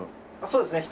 そうですね。